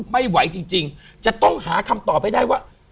ไม่ไหวจริงจะต้องหาคำตอบให้ได้ว่า